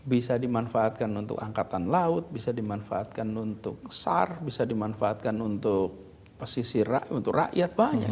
bisa dimanfaatkan untuk angkatan laut bisa dimanfaatkan untuk sar bisa dimanfaatkan untuk pesisir untuk rakyat banyak